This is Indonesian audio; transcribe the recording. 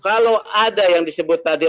kalau ada yang disebut tadi